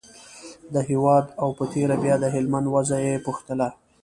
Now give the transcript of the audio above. د هېواد او په تېره بیا د هلمند وضعه یې پوښتله.